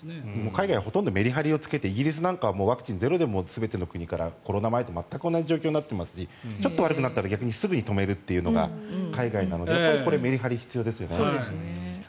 海外はほとんどメリハリをつけてイギリスなんかはワクチンゼロでも全ての国からコロナと同じ状況になってますしちょっと悪くなったら次に止めるというのがメリハリが必要ですよね。